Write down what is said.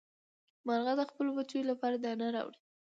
مارغه د خپلو بچیو لپاره دانه راوړي.